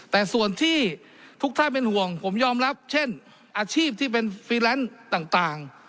แต่ส่วนที่ทุกท่านเป็นห่วงผมยอมรับเช่นอาชีพที่เป็นฟรีแลนซ์ต่าง